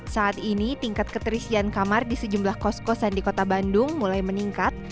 saat ini tingkat keterisian kamar di sejumlah kos kosan di kota bandung mulai meningkat